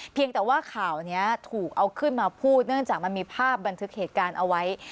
เพียงแต่ว่าข่าวนี้ถูกเอาขึ้นมาพูดเนื่องจากมันมีภาพบันทึกเหตุการณ์เอาไว้